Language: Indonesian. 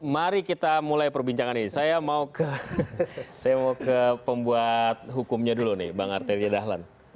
mari kita mulai perbincangan ini saya mau ke pembuat hukumnya dulu nih bang arteria dahlan